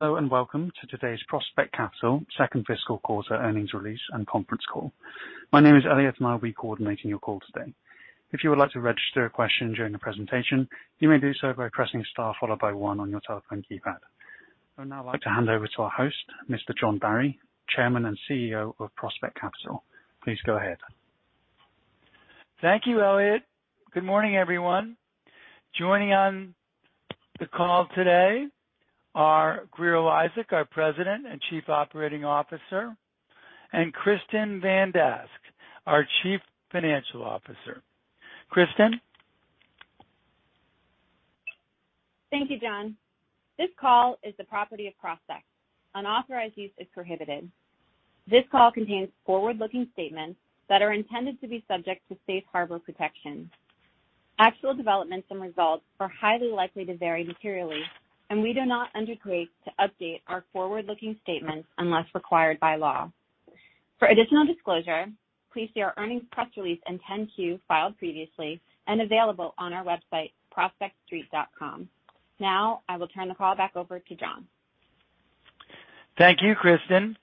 Hello and welcome to today's Prospect Capital Second Fiscal Quarter Earnings Release and Conference Call. My name is Elliot, and I'll be coordinating your call today. If you would like to register a question during the presentation, you may do so by pressing star followed by one on your telephone keypad. I'd now like to hand over to our host, Mr. John Barry, Chairman and CEO of Prospect Capital. Please go ahead. Thank you, Elliot. Good morning, everyone. Joining on the call today are Grier Eliasek, our President and Chief Operating Officer, and Kristin Van Dask, our Chief Financial Officer. Kristin. Thank you, John. This call is the property of Prospect. Unauthorized use is prohibited. This call contains forward-looking statements that are intended to be subject to safe harbor protections. Actual developments and results are highly likely to vary materially, and we do not undertake to update our forward-looking statements unless required by law. For additional disclosure, please see our earnings press release and 10-Q filed previously and available on our website prospectstreet.com. Now I will turn the call back over to John. Thank you, Kristin.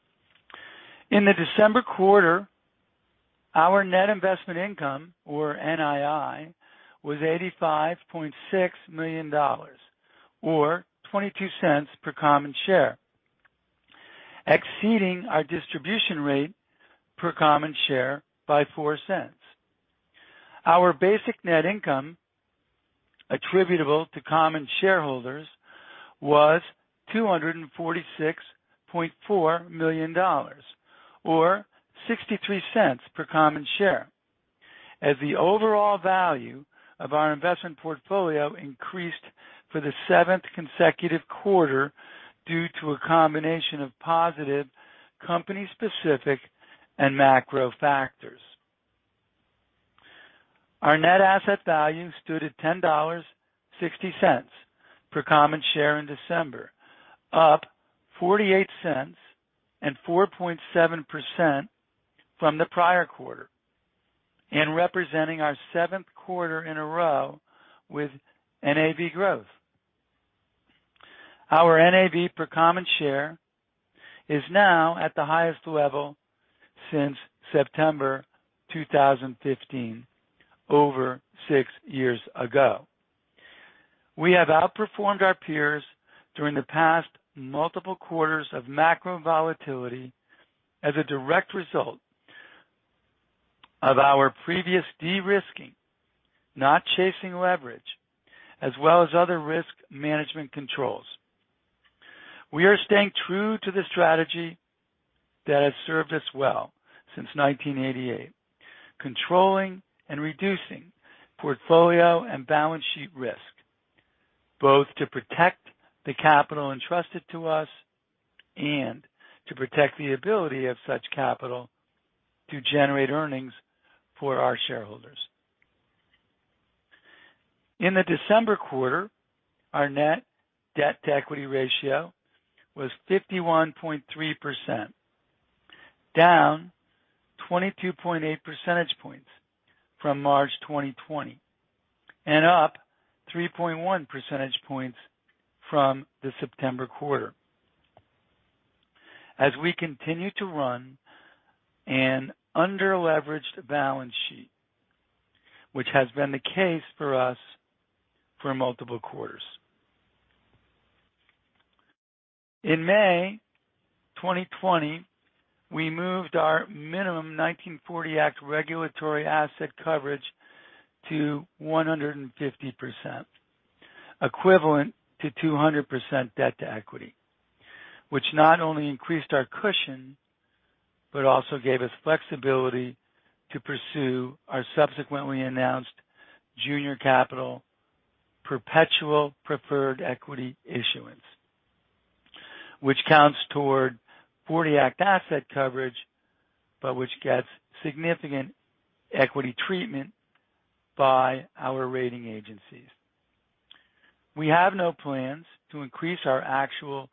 In the December quarter, our net investment income, or NII, was $85.6 million, or $0.22 per common share, exceeding our distribution rate per common share by $0.04. Our basic net income attributable to common shareholders was $246.4 million, or $0.63 per common share. As the overall value of our investment portfolio increased for the seventh consecutive quarter due to a combination of positive company specific and macro factors, our net asset value stood at $10.60 per common share in December, up $0.48 and 4.7% from the prior quarter, and representing our seventh quarter in a row with NAV growth. Our NAV per common share is now at the highest level since September 2015, over six years ago. We have outperformed our peers during the past multiple quarters of macro volatility as a direct result of our previous de-risking, not chasing leverage, as well as other risk management controls. We are staying true to the strategy that has served us well since 1988, controlling and reducing portfolio and balance sheet risk, both to protect the capital entrusted to us and to protect the ability of such capital to generate earnings for our shareholders. In the December quarter, our net debt-to-equity ratio was 51.3%, down 22.8 percentage points from March 2020 and up 3.1 percentage points from the September quarter. As we continue to run an under-leveraged balance sheet, which has been the case for us for multiple quarters. In May 2020, we moved our minimum 1940 Act regulatory asset coverage to 150%, equivalent to 200% debt-to-equity. Which not only increased our cushion, but also gave us flexibility to pursue our subsequently announced junior capital perpetual preferred equity issuance. Which counts toward 1940 Act asset coverage, but which gets significant equity treatment by our rating agencies. We have no plans to increase our actual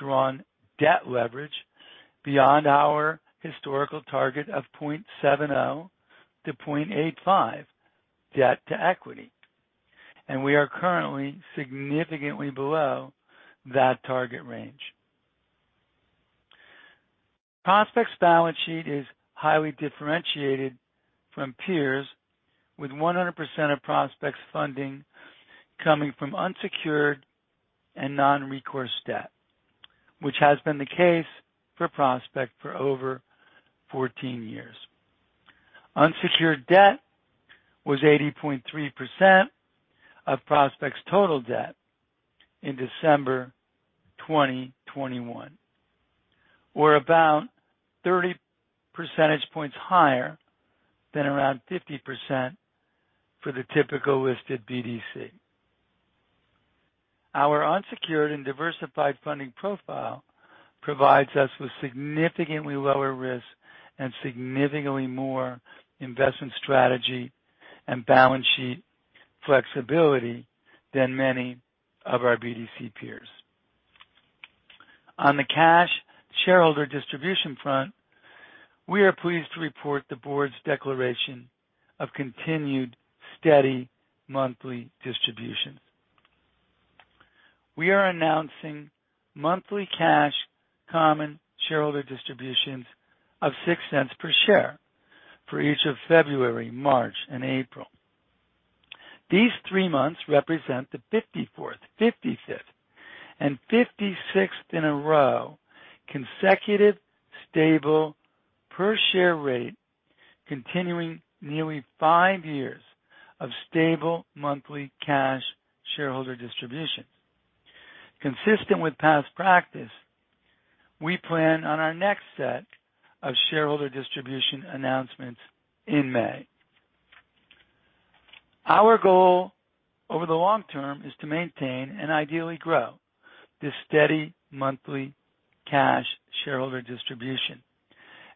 drawn debt leverage beyond our historical target of 0.70x-0.85x debt-to-equity, and we are currently significantly below that target range. Prospect's balance sheet is highly differentiated from peers with 100% of Prospect's funding coming from unsecured and non-recourse debt, which has been the case for Prospect for over 14 years. Unsecured debt was 80.3% of Prospect's total debt in December 2021, or about 30 percentage points higher than around 50% for the typical listed BDC. Our unsecured and diversified funding profile provides us with significantly lower risk and significantly more investment strategy and balance sheet flexibility than many of our BDC peers. On the cash shareholder distribution front. We are pleased to report the board's declaration of continued steady monthly distributions. We are announcing monthly cash common shareholder distributions of $0.06 per share for each of February, March, and April. These three months represent the 54th, 55th, and 56th in a row, consecutive, stable per share rate, continuing nearly five years of stable monthly cash shareholder distributions. Consistent with past practice, we plan on our next set of shareholder distribution announcements in May. Our goal over the long term is to maintain and ideally grow this steady monthly cash shareholder distribution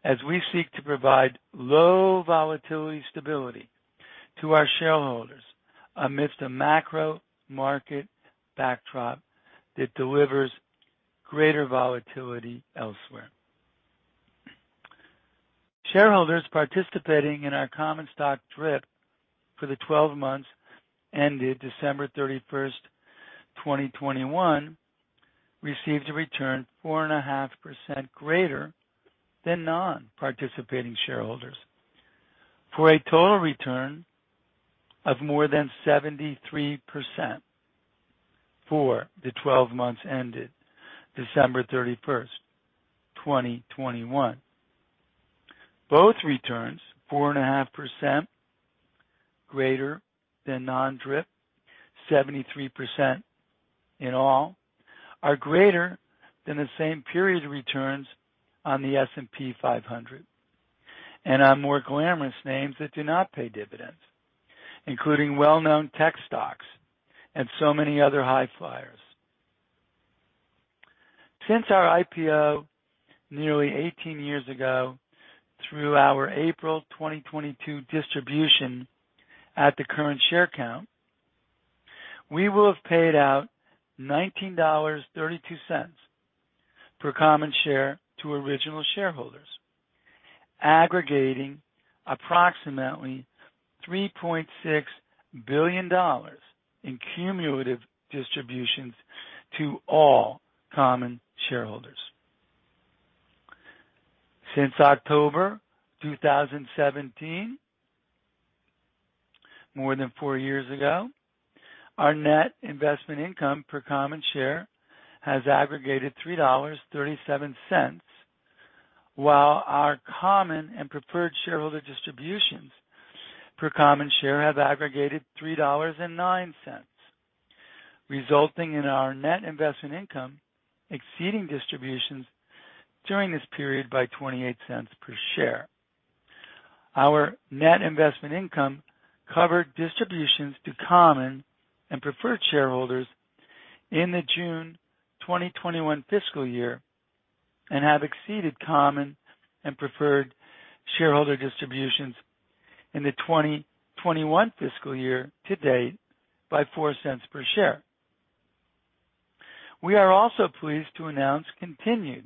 as we seek to provide low volatility stability to our shareholders amidst a macro market backdrop that delivers greater volatility elsewhere. Shareholders participating in our common stock drip for the 12 months ended December 31, 2021, received a return 4.5% greater than non-participating shareholders, for a total return of more than 73% for the 12 months ended December 31, 2021. Both returns, 4.5% greater than non-drip, 73% in all, are greater than the same period returns on the S&P 500 and on more glamorous names that do not pay dividends, including well-known tech stocks and so many other high flyers. Since our IPO nearly 18 years ago through our April 2022 distribution at the current share count, we will have paid out $19.32 per common share to original shareholders, aggregating approximately $3.6 billion in cumulative distributions to all common shareholders. Since October 2017, more than four years ago, our net investment income per common share has aggregated $3.37, while our common and preferred shareholder distributions per common share have aggregated $3.09, resulting in our net investment income exceeding distributions during this period by $0.28 per share. Our net investment income covered distributions to common and preferred shareholders in the June 2021 fiscal year and have exceeded common and preferred shareholder distributions in the 2021 fiscal year to date by $0.04 per share. We are also pleased to announce continued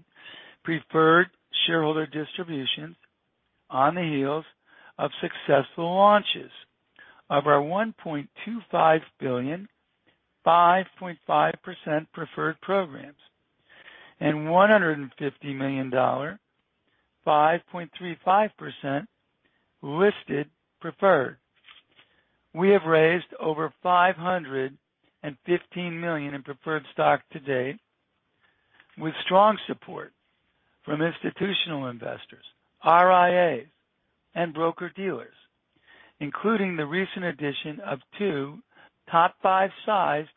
preferred shareholder distributions on the heels of successful launches of our $1.25 billion, 5.5% preferred programs and $150 million 5.35% listed preferred. We have raised over $515 million in preferred stock to date with strong support from institutional investors, RIAs, and broker-dealers, including the recent addition of two top five sized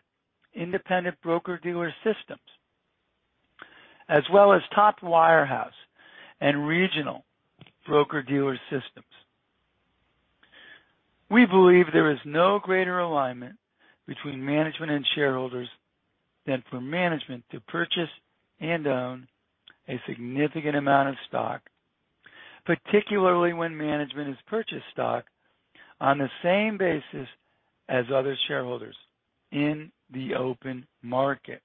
independent broker-dealer systems, as well as top wirehouse and regional broker-dealer systems. We believe there is no greater alignment between management and shareholders than for management to purchase and own a significant amount of stock, particularly when management has purchased stock on the same basis as other shareholders in the open market.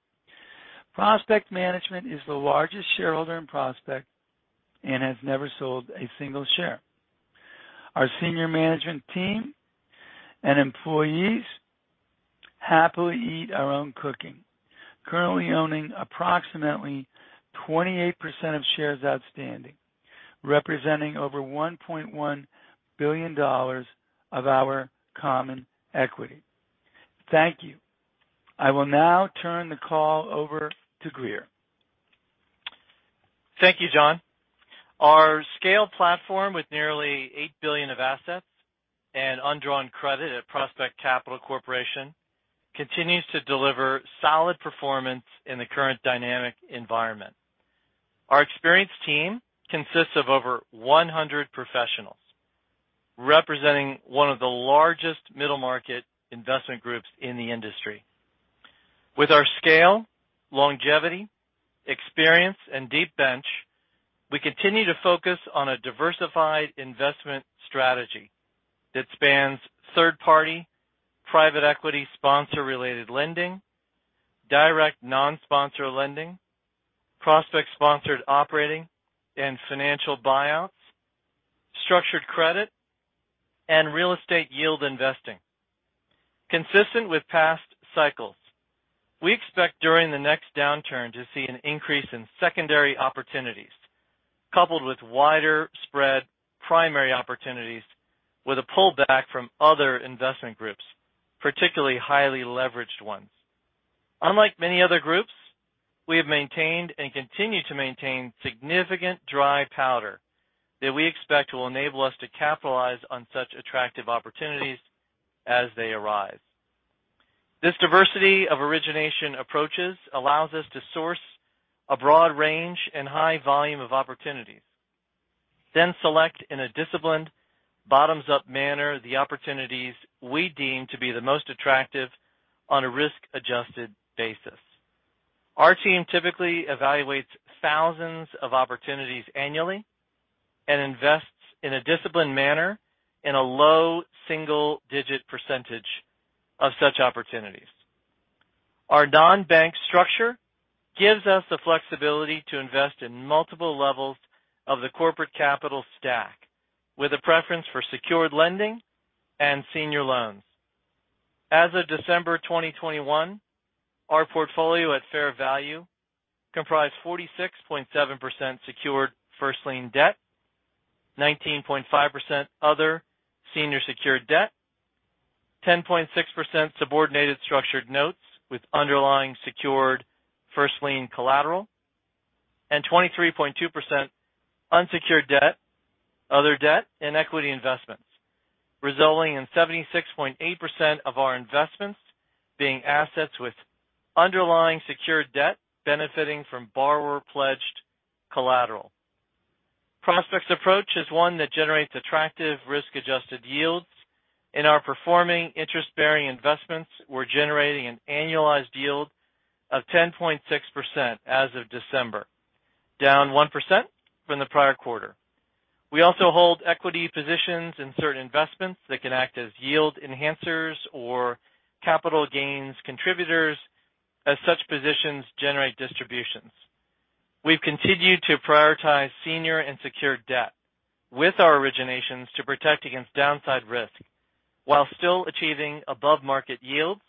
Prospect Management is the largest shareholder in Prospect and has never sold a single share. Our senior management team and employees happily eat our own cooking, currently owning approximately 28% of shares outstanding, representing over $1.1 billion of our common equity. Thank you. I will now turn the call over to Grier. Thank you, John. Our scale platform with nearly $8 billion of assets and undrawn credit at Prospect Capital Corporation continues to deliver solid performance in the current dynamic environment. Our experienced team consists of over 100 professionals, representing one of the largest middle market investment groups in the industry. With our scale, longevity, experience, and deep bench, we continue to focus on a diversified investment strategy that spans third party, private equity sponsor related lending, direct non-sponsor lending, Prospect-sponsored operating and financial buyouts, structured credit, and real estate yield investing. Consistent with past cycles, we expect during the next downturn to see an increase in secondary opportunities coupled with wider spread primary opportunities with a pullback from other investment groups, particularly highly leveraged ones. Unlike many other groups, we have maintained and continue to maintain significant dry powder that we expect will enable us to capitalize on such attractive opportunities as they arise. This diversity of origination approaches allows us to source a broad range and high volume of opportunities, then select in a disciplined bottoms-up manner the opportunities we deem to be the most attractive on a risk-adjusted basis. Our team typically evaluates thousands of opportunities annually and invests in a disciplined manner in a low single-digit percentage of such opportunities. Our non-bank structure gives us the flexibility to invest in multiple levels of the corporate capital stack with a preference for secured lending and senior loans. As of December 2021, our portfolio at fair value comprised 46.7% secured first lien debt, 19.5% other senior secured debt, 10.6% subordinated structured notes with underlying secured first lien collateral, and 23.2% unsecured debt, other debt, and equity investments, resulting in 76.8% of our investments being assets with underlying secured debt benefiting from borrower-pledged collateral. Prospect's approach is one that generates attractive risk-adjusted yields. In our performing interest-bearing investments, we're generating an annualized yield of 10.6% as of December, down 1% from the prior quarter. We also hold equity positions in certain investments that can act as yield enhancers or capital gains contributors as such positions generate distributions. We've continued to prioritize senior and secured debt with our originations to protect against downside risk while still achieving above-market yields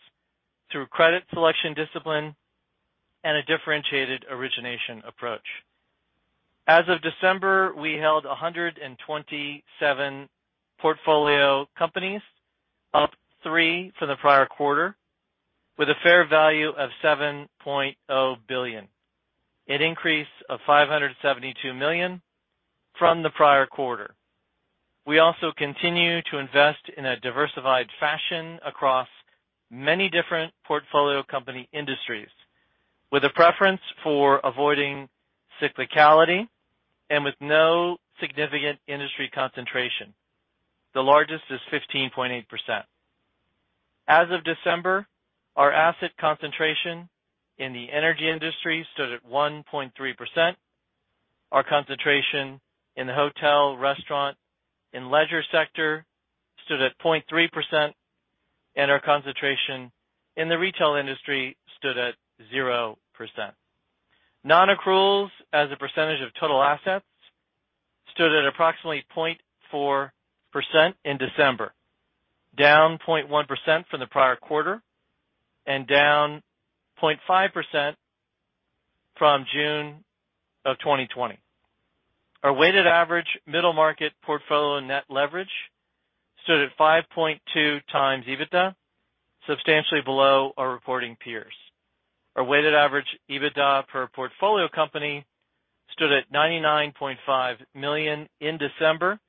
through credit selection discipline and a differentiated origination approach. As of December, we held 127 portfolio companies, up three for the prior quarter, with a fair value of $7.0 billion, an increase of $572 million from the prior quarter. We also continue to invest in a diversified fashion across many different portfolio company industries with a preference for avoiding cyclicality and with no significant industry concentration. The largest is 15.8%. As of December, our asset concentration in the energy industry stood at 1.3%. Our concentration in the hotel, restaurant, and leisure sector stood at 0.3%, and our concentration in the retail industry stood at 0%. Non-accruals as a percentage of total assets stood at approximately 0.4% in December, down 0.1% from the prior quarter and down 0.5% from June 2020. Our weighted average middle market portfolio net leverage stood at 5.2x EBITDA, substantially below our reporting peers. Our weighted average EBITDA per portfolio company stood at $99.5 million in December,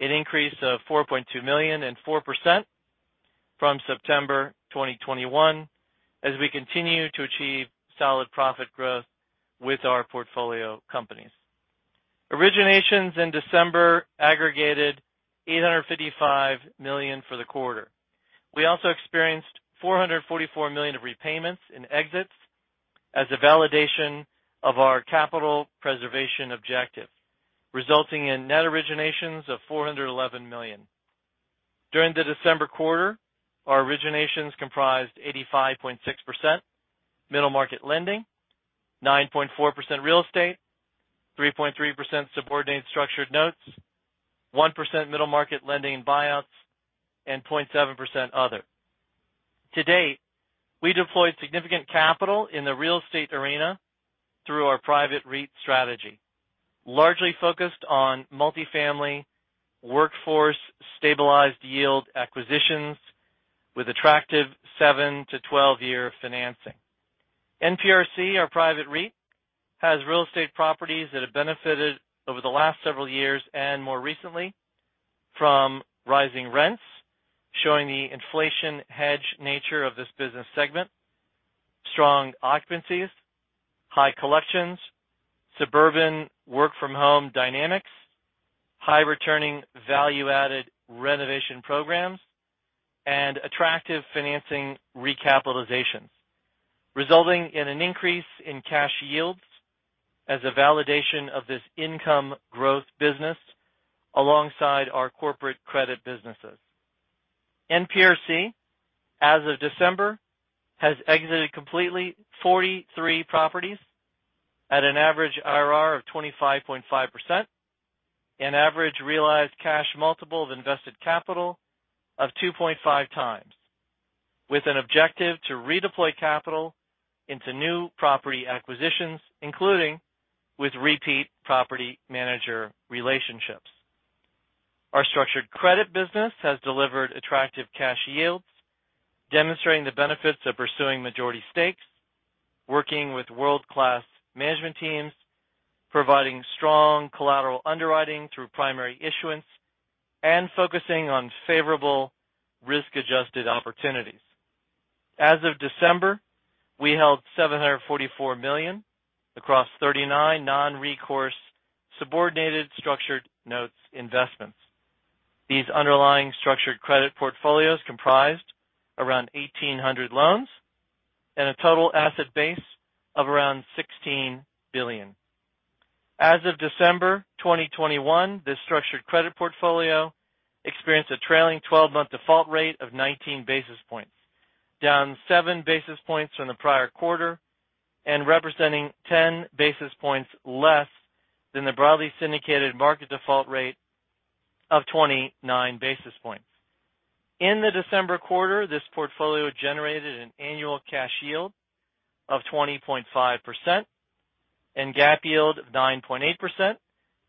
an increase of $4.2 million and 4% from September 2021 as we continue to achieve solid profit growth with our portfolio companies. Originations in December aggregated $855 million for the quarter. We also experienced $444 million of repayments in exits as a validation of our capital preservation objective, resulting in net originations of $411 million. During the December quarter, our originations comprised 85.6% middle market lending, 9.4% real estate, 3.3% subordinated structured notes, 1% middle market lending buyouts, and 0.7% other. To date, we deployed significant capital in the real estate arena through our private REIT strategy, largely focused on multi-family workforce stabilized yield acquisitions with attractive 7-12-year financing. NPRC, our private REIT, has real estate properties that have benefited over the last several years and more recently from rising rents, showing the inflation hedge nature of this business segment, strong occupancies, high collections, suburban work-from-home dynamics, high returning value-added renovation programs, and attractive financing recapitalizations, resulting in an increase in cash yields. As a validation of this income growth business alongside our corporate credit businesses. NPRC, as of December, has exited completely 43 properties at an average IRR of 25.5% and average realized cash multiple of invested capital of 2.5x, with an objective to redeploy capital into new property acquisitions, including with repeat property manager relationships. Our structured credit business has delivered attractive cash yields, demonstrating the benefits of pursuing majority stakes, working with world-class management teams, providing strong collateral underwriting through primary issuance, and focusing on favorable risk-adjusted opportunities. As of December, we held $744 million across 39 non-recourse subordinated structured notes investments. These underlying structured credit portfolios comprised around 1,800 loans and a total asset base of around $16 billion. As of December 2021, this structured credit portfolio experienced a trailing 12-month default rate of 19 basis points, down 7 basis points from the prior quarter, and representing 10 basis points less than the broadly syndicated market default rate of 29 basis points. In the December quarter, this portfolio generated an annual cash yield of 20.5% and GAAP yield of 9.8%,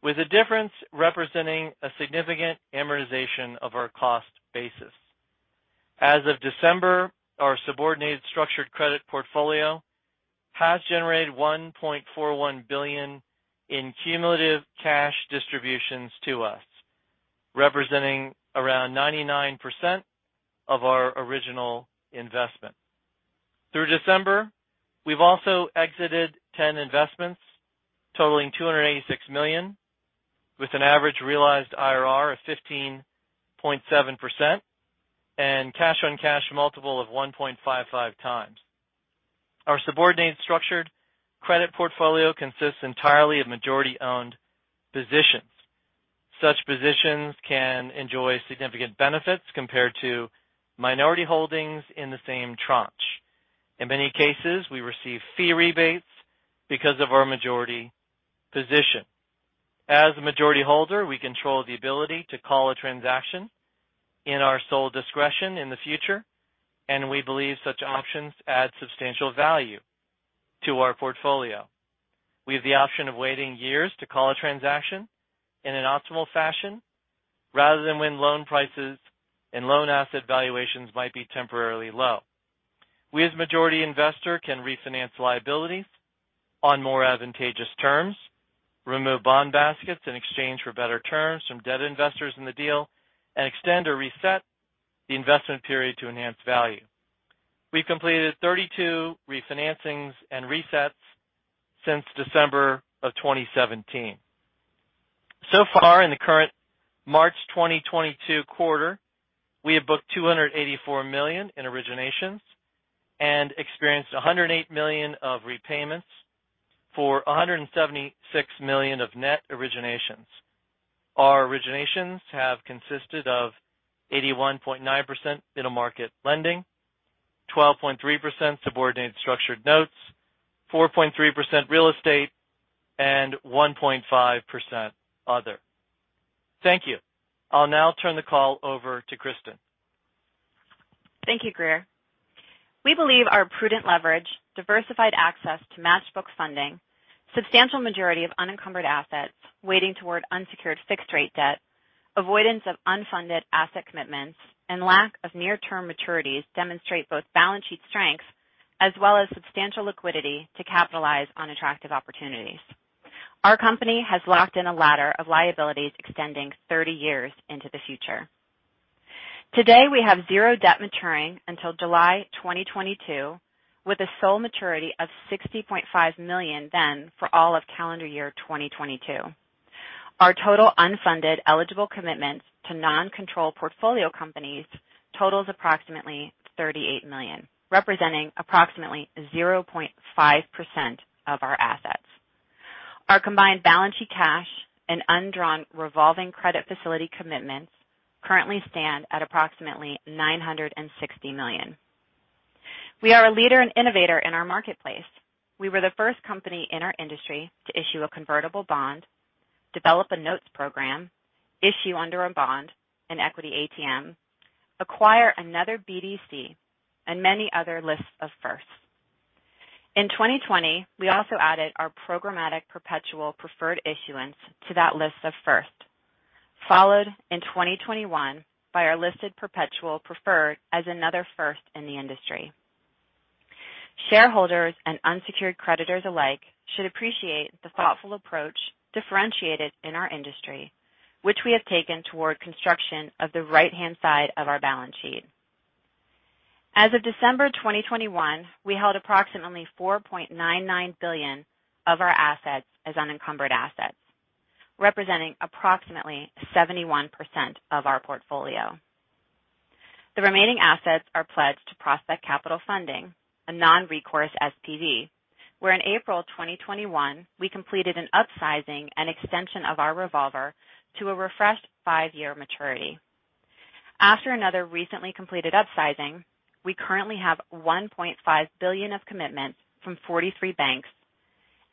with a difference representing a significant amortization of our cost basis. As of December, our subordinated structured credit portfolio has generated $1.41 billion in cumulative cash distributions to us, representing around 99% of our original investment. Through December, we've also exited 10 investments totaling $286 million, with an average realized IRR of 15.7% and cash-on-cash multiple of 1.55x. Our subordinated structured credit portfolio consists entirely of majority-owned positions. Such positions can enjoy significant benefits compared to minority holdings in the same tranche. In many cases, we receive fee rebates because of our majority position. As a majority holder, we control the ability to call a transaction in our sole discretion in the future, and we believe such options add substantial value to our portfolio. We have the option of waiting years to call a transaction in an optimal fashion rather than when loan prices and loan asset valuations might be temporarily low. We, as majority investor, can refinance liabilities on more advantageous terms, remove bond baskets in exchange for better terms from debt investors in the deal, and extend or reset the investment period to enhance value. We've completed 32 refinancings and resets since December of 2017. So far in the current March 2022 quarter, we have booked $284 million in originations and experienced $108 million of repayments for $176 million of net originations. Our originations have consisted of 81.9% middle market lending, 12.3% subordinated structured notes, 4.3% real estate, and 1.5% other. Thank you. I'll now turn the call over to Kristin. Thank you, Grier. We believe our prudent leverage, diversified access to match book funding, substantial majority of unencumbered assets weighting toward unsecured fixed-rate debt, avoidance of unfunded asset commitments, and lack of near-term maturities demonstrate both balance sheet strengths as well as substantial liquidity to capitalize on attractive opportunities. Our company has locked in a ladder of liabilities extending 30 years into the future. Today, we have zero debt maturing until July 2022, with a sole maturity of $60.5 million then for all of calendar year 2022. Our total unfunded eligible commitments to non-control portfolio companies totals approximately $38 million, representing approximately 0.5% of our assets. Our combined balance sheet cash and undrawn revolving credit facility commitments currently stand at approximately $960 million. We are a leader and innovator in our marketplace. We were the first company in our industry to issue a convertible bond, develop a notes program, issue baby bonds, an equity ATM, acquire another BDC, and many other lists of firsts. In 2020, we also added our programmatic perpetual preferred issuance to that list of firsts, followed in 2021 by our listed perpetual preferred as another first in the industry. Shareholders and unsecured creditors alike should appreciate the thoughtful approach differentiated in our industry, which we have taken toward construction of the right-hand side of our balance sheet. As of December 2021, we held approximately $4.99 billion of our assets as unencumbered assets, representing approximately 71% of our portfolio. The remaining assets are pledged to Prospect Capital Funding, a non-recourse SPV, where in April 2021, we completed an upsizing and extension of our revolver to a refreshed five-year maturity. After another recently completed upsizing, we currently have $1.5 billion of commitments from 43 banks,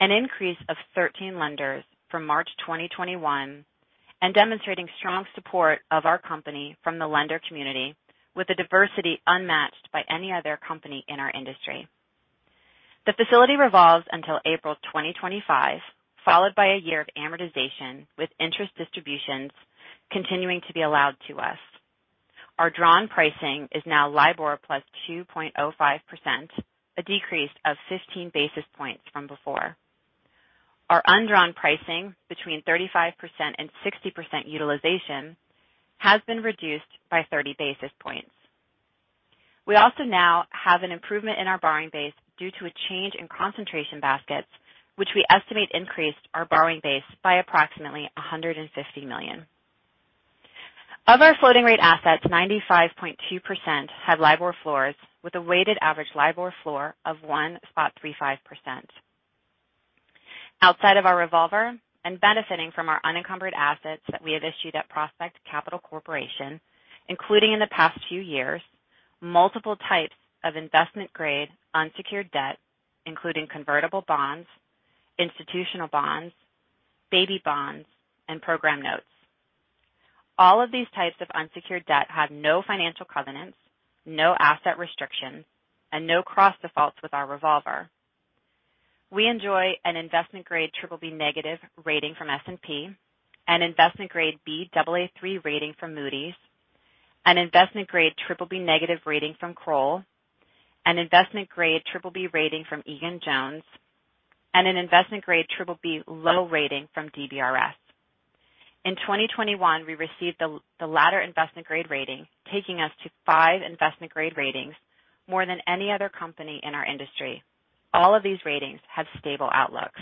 an increase of 13 lenders from March 2021, and demonstrating strong support of our company from the lender community with a diversity unmatched by any other company in our industry. The facility revolves until April 2025, followed by a year of amortization, with interest distributions continuing to be allowed to us. Our drawn pricing is now LIBOR plus 2.05%, a decrease of 15 basis points from before. Our undrawn pricing between 35% and 60% utilization has been reduced by 30 basis points. We also now have an improvement in our borrowing base due to a change in concentration baskets, which we estimate increased our borrowing base by approximately $150 million. Of our floating rate assets, 95.2% have LIBOR floors with a weighted average LIBOR floor of 1.35%. Outside of our revolver and benefiting from our unencumbered assets that we have issued at Prospect Capital Corporation, including in the past few years, multiple types of investment grade unsecured debt, including convertible bonds, institutional bonds, baby bonds, and program notes. All of these types of unsecured debt have no financial covenants, no asset restrictions, and no cross defaults with our revolver. We enjoy an investment grade BBB- rating from S&P, an investment grade Baa3 rating from Moody's, an investment grade BBB- rating from Kroll, an investment grade BBB rating from Egan-Jones, and an investment grade BBB low rating from DBRS. In 2021, we received the latest investment-grade rating, taking us to five investment-grade ratings, more than any other company in our industry. All of these ratings have stable outlooks.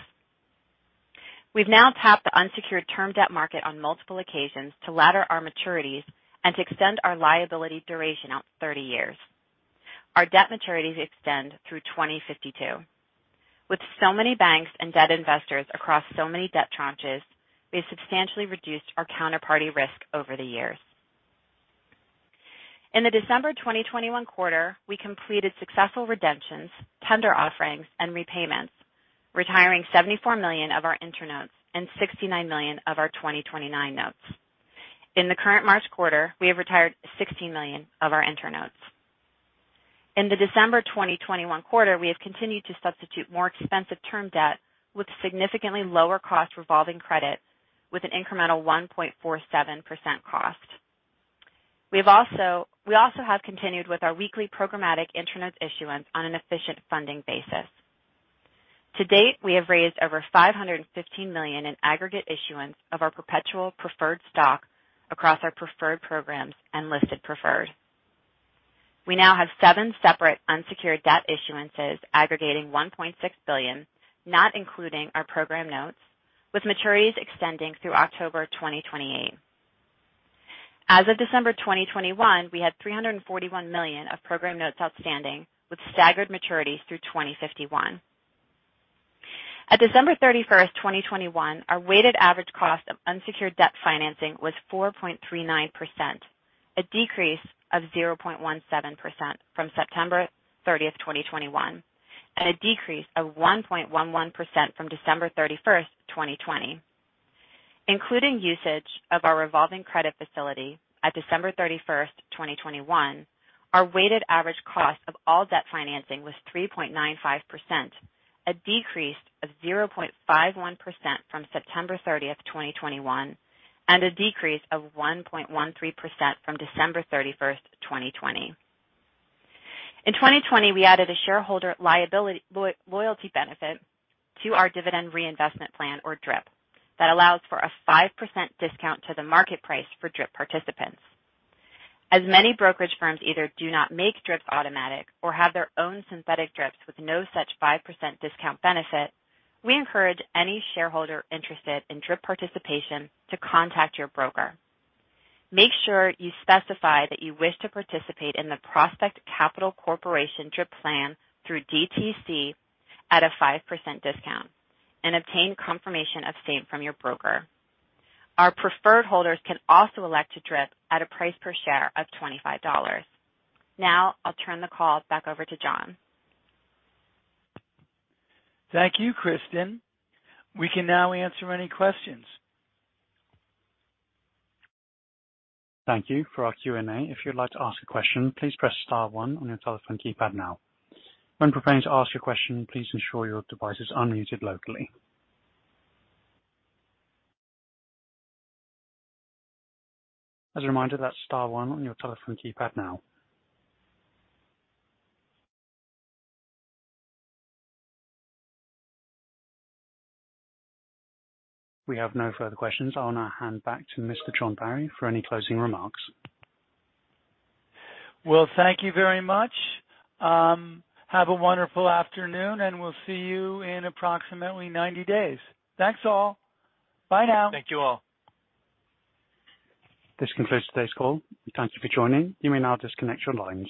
We've now tapped the unsecured term debt market on multiple occasions to ladder our maturities and to extend our liability duration out 30 years. Our debt maturities extend through 2052. With so many banks and debt investors across so many debt tranches, we have substantially reduced our counterparty risk over the years. In the December 2021 quarter, we completed successful redemptions, tender offerings, and repayments, retiring $74 million of our InterNotes and $69 million of our 2029 notes. In the current March quarter, we have retired $16 million of our InterNotes. In the December 2021 quarter, we have continued to substitute more expensive term debt with significantly lower cost revolving credits with an incremental 1.47% cost. We have also continued with our weekly programmatic InterNotes issuance on an efficient funding basis. To date, we have raised over $515 million in aggregate issuance of our perpetual preferred stock across our preferred programs and listed preferred. We now have seven separate unsecured debt issuances aggregating $1.6 billion, not including our program notes, with maturities extending through October 2028. As of December 2021, we had $341 million of program notes outstanding, with staggered maturities through 2051. At December 31, 2021, our weighted average cost of unsecured debt financing was 4.39%, a decrease of 0.17% from September 30, 2021, and a decrease of 1.11% from December 31, 2020. Including usage of our revolving credit facility at December 31, 2021, our weighted average cost of all debt financing was 3.95%, a decrease of 0.51% from September 30, 2021, and a decrease of 1.13% from December 31, 2020. In 2020, we added a shareholder loyalty benefit to our dividend reinvestment plan, or DRIP, that allows for a 5% discount to the market price for DRIP participants. As many brokerage firms either do not make DRIPs automatic or have their own synthetic DRIPs with no such 5% discount benefit, we encourage any shareholder interested in DRIP participation to contact your broker. Make sure you specify that you wish to participate in the Prospect Capital Corporation DRIP plan through DTC at a 5% discount and obtain confirmation of same from your broker. Our preferred holders can also elect a DRIP at a price per share of $25. Now I'll turn the call back over to John. Thank you, Kristin. We can now answer any questions. Thank you. For our Q&A, if you'd like to ask a question, please press star one on your telephone keypad now. When preparing to ask your question, please ensure your device is unmuted locally. As a reminder, that's star one on your telephone keypad now. We have no further questions. I'll now hand back to Mr. John Barry for any closing remarks. Well, thank you very much. Have a wonderful afternoon, and we'll see you in approximately 90 days. Thanks, all. Bye now. Thank you all. This concludes today's call. Thank you for joining. You may now disconnect your lines.